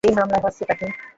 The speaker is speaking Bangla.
এই মামলায় হচ্ছেটা কী?